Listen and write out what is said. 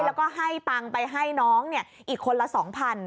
แล้วก็ให้ตังไปให้น้องเนี่ยอีกคนละ๒๐๐๐